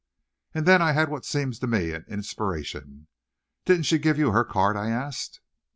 And then I had what seemed to me an inspiration. "Didn't she give you her card?" I asked.